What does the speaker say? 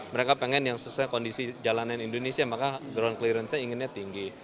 mereka pengen yang sesuai kondisi jalanan indonesia maka ground clearance nya inginnya tinggi